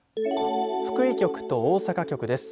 福井局と大阪局です。